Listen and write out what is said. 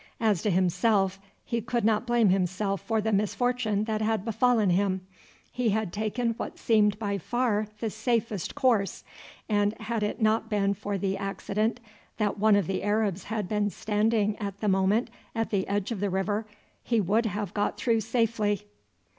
As to himself, he could not blame himself for the misfortune that had befallen him. He had taken what seemed by far the safest course, and had it not been for the accident that one of the Arabs had been standing at the moment at the edge of the river, he would have got through safely.